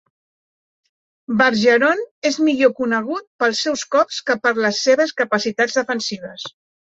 Bergeron es millor conegut pels seus cops que per les seves capacitats defensives.